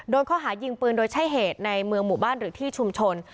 ข้อหายิงปืนโดยใช้เหตุในเมืองหมู่บ้านหรือที่ชุมชน